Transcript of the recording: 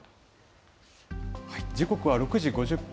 時刻は６時５０分。